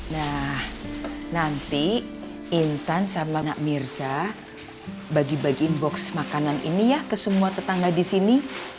nah nanti intan sama anak mirza bagi bagiin box makanan ini ya ke semua tetangga disini